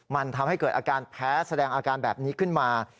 มันทำให้เกิดอาการแพ้แสดงอาการแบบนี้ขึ้นมา